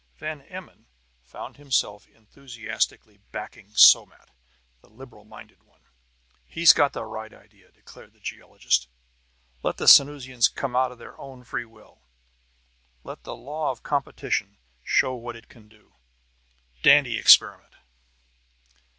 Van Emmon found himself enthusiastically backing Somat, the liberal minded one. "He's got the right idea," declared the geologist. "Let the Sanusians come over of their own free will! Let the law of competition show what it can do! Dandy experiment!"